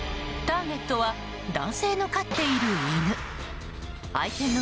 ターゲットは男性の飼っている犬。